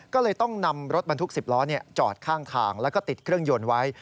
ก็เลยต้องนำรถบรรทุก๑๐ล้อจอดข้างทางแล้วก็ติดเครื่องยนต์ไว้